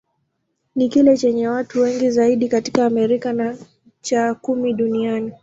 Ni kile chenye watu wengi zaidi katika Amerika, na cha kumi duniani.